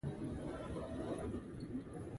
آݭیر پݨیل تہ رو بسنت الامہ۔